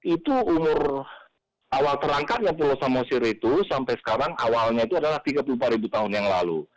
itu umur awal terangkatnya pulau samosir itu sampai sekarang awalnya itu adalah tiga puluh empat tahun yang lalu